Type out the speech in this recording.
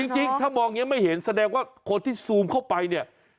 จริงถ้ามองอย่างนี้ไม่เห็นแสดงว่าคนที่ซูมเข้าไปเนี่ย